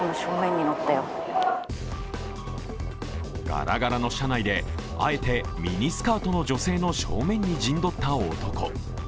ガラガラの車内で、あえてミニスカートの女性の正面に陣取った男。